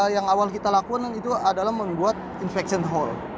yang awal kita lakukan itu adalah membuat inspection hole